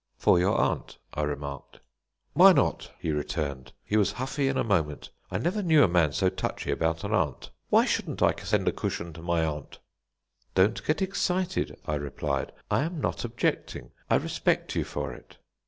"For your aunt," I remarked. "Why not?" he returned. He was huffy in a moment; I never knew a man so touchy about an aunt. "Why shouldn't I send a cushion to my aunt?" "Don't get excited," I replied. "I am not objecting; I respect you for it."